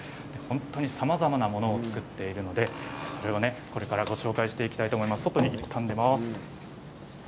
さまざまなものを作っていますのでそれをこれからご紹介していきます。